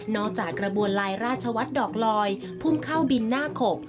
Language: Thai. กระบวนลายราชวัฒน์ดอกลอยพุ่งเข้าบินหน้าขบ